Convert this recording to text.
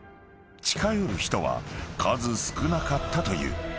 近寄る人は数少なかったという］